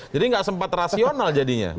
jadi nggak sempat rasional jadinya